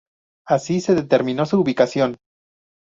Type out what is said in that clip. Así se determinó su ubicación.